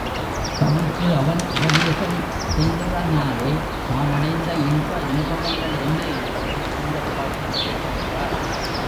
தமக்கு அவன் உபதேசம் செய்ததனாலே தாம் அடைந்த இன்ப அநுபவங்கள் என்ன என்பதை இந்தப் பாட்டில் பேசுகின்றார்.